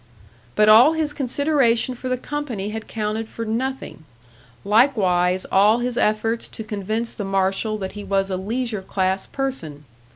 But all his consideration for the company had counted for nothing; likewise all his efforts to convince the marshal that he was a leisure class person.